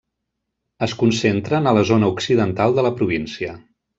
Es concentren a la zona occidental de la província.